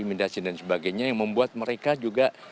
imidasi dan sebagainya yang membuat mereka juga